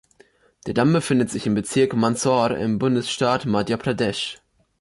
Der Damm befindet sich im Bezirk Mandsaur im Bundesstaat Madhya Pradesh.